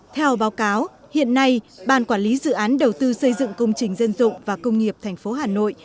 theo báo cáo hiện nay ban quản lý dự án đầu tư xây dựng công trình dân dụng và công nghiệp tp hà nội